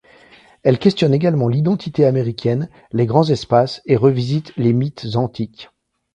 Elle questionne également l'identité américaine, les grands espaces et revisite les mythes antiques.